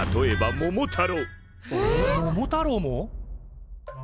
桃太郎も？